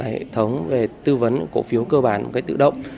hệ thống về tư vấn cổ phiếu cơ bản tự động